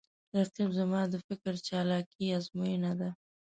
رقیب زما د فکر چالاکي آزموینه ده